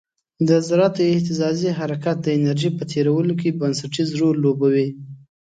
د ذراتو اهتزازي حرکت د انرژي په تیرولو کې بنسټیز رول لوبوي.